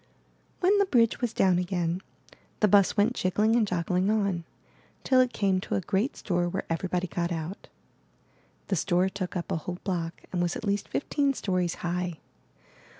When the bridge was down again, the bus went jiggling and joggling on, till it came to a great store where everybody got out. The store took up a whole block and was at least fifteen stories high.